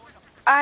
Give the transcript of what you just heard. あ。